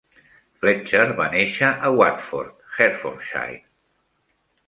Fletcher va néixer a Watford, Hertfordshire.